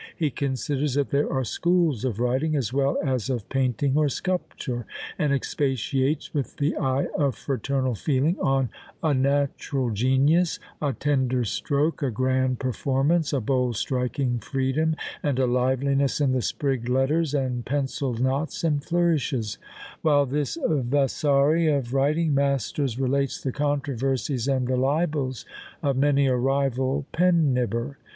He considers that there are schools of writing, as well as of painting or sculpture; and expatiates with the eye of fraternal feeling on "a natural genius, a tender stroke, a grand performance, a bold striking freedom, and a liveliness in the sprigged letters, and pencilled knots and flourishes;" while this Vasari of writing masters relates the controversies and the libels of many a rival pen nibber.